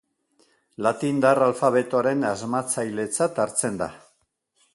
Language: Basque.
Latindar alfabetoaren asmatzailetzat hartzen da.